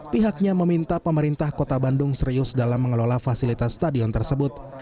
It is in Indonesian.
pihaknya meminta pemerintah kota bandung serius dalam mengelola fasilitas stadion tersebut